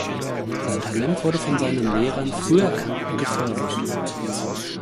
Sein Talent wurde von seinen Lehrern früh erkannt und gefördert.